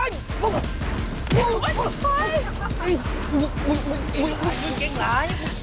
โดโหลเกรงแร้